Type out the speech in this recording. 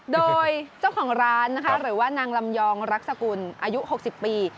โดยเจ้าของร้านนะคะหรือว่านางลำยองรักษกุลอายุ๖๐ปี